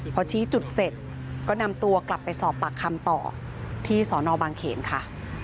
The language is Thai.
พอชี้จุดเสร็จก็นำตัวกลับไปสอบปากคำต่อที่สอนอบางเขนค่ะ